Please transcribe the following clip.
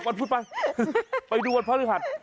ตกวันพุธไปไปดูวันพฤหัส